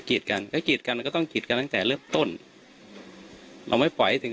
กันก็กรีดกันมันก็ต้องกีดกันตั้งแต่เริ่มต้นเราไม่ปล่อยถึง